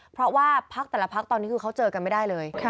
เพราะว่าพักแต่ละพักตอนนี้คือเขาเจอกันไม่ได้เลย